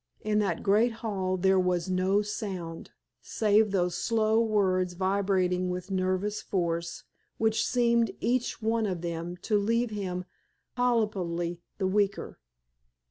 In that great hall there was no sound, save those slow words vibrating with nervous force, which seemed each one of them to leave him palpably the weaker.